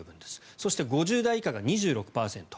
そして５０代以下が２６％。